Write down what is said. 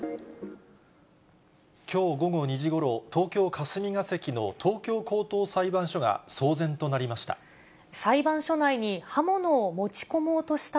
きょう午後２時ごろ、東京・霞が関の東京高等裁判所が騒然となりました。